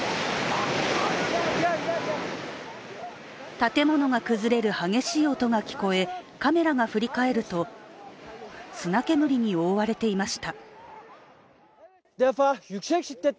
建物が崩れる激しい音が聞こえカメラが振り返ると、砂煙に覆われていました。